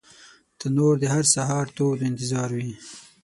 تنور د هر سهار تود انتظار وي